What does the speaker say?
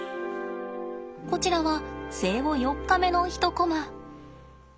こちらは生後４日目の一コマ。